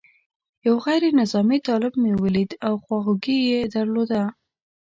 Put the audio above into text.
یو غیر نظامي طالب مې ولید او خواخوږي یې درلوده.